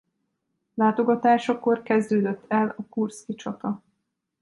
Látogatásakor kezdődött el a kurszki csata.